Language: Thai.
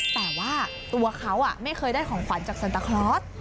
แต่ว่าตัวเขาไม่เคยได้ของขวัญจากซันตาคลอส